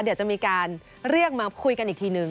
เดี๋ยวจะมีการเรียกมาคุยกันอีกทีหนึ่ง